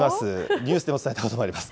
ニュースで伝えたこともあります。